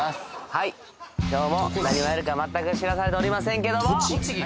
はい今日も何をやるか全く知らされておりませんけども栃木？